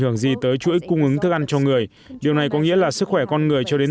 hưởng gì tới chuỗi cung ứng thức ăn cho người điều này có nghĩa là sức khỏe con người cho đến